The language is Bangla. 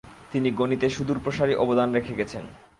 তিনি গণিতে সুদূরপ্রসারী অবদান রেখে গেছেন।